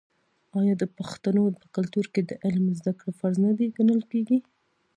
آیا د پښتنو په کلتور کې د علم زده کړه فرض نه ګڼل کیږي؟